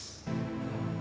tanya yang banyak